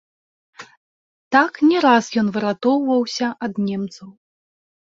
Так не раз ён выратоўваўся ад немцаў.